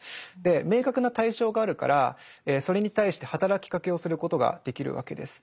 明確な対象があるからそれに対して働きかけをすることができるわけです。